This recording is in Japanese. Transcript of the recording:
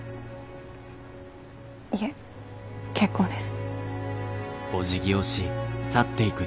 いえ結構です。